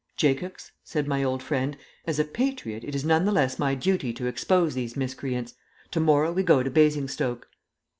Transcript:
"Jacox," said my old friend, "as a patriot it is none the less my duty to expose these miscreants. To morrow we go to Basingstoke."